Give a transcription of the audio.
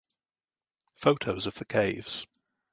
Photos of the caves